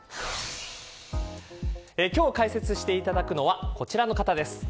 今日、解説していただくのはこちらの方です。